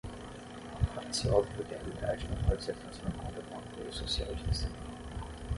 Parece óbvio que a realidade não pode ser transformada com apoio social de testemunho.